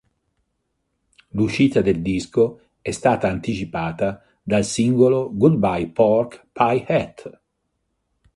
L'uscita del disco è stata anticipata dal singolo "Goodbye Pork Pie Hat".